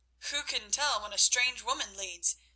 "Who can tell when a strange woman leads?"